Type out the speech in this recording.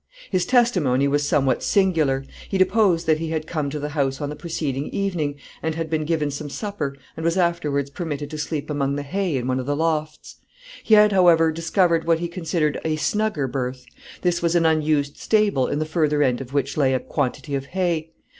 His testimony was somewhat singular. He deposed that he had come to the house on the preceding evening, and had been given some supper, and was afterwards permitted to sleep among the hay in one of the lofts. He had, however, discovered what he considered a snugger berth. This was an unused stable, in the further end of which lay a quantity of hay.